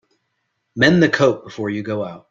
Mend the coat before you go out.